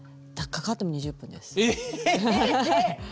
かかって２０分？